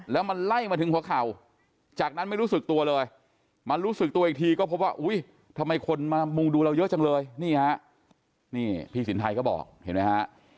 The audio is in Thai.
แล้วมันไล่มาถึงหัวเข่าจากนั้นไม่รู้สึกตัวเลยมารู้สึกตัวอีกทีก็พบว่าอุ้ยทำไมคนมามุงดูเราเยอะจังเลยนี่ฮะนี่พี่สินไทยก็บอกเห็นไหมฮะ